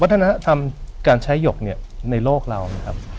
วัฒนธรรมการใช้หยกเนี่ยในโลกเรานะครับ